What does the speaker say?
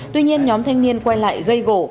tuy nhiên nhóm thanh niên quay lại gây gỗ